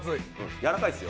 やわらかいですよ。